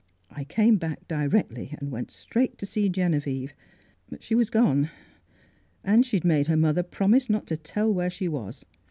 I came back directly, and went straight to see Genevieve. But she was gone. And she'd made her mother promise not to tell where she was.